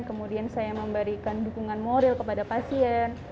kemudian saya memberikan dukungan moral kepada pasien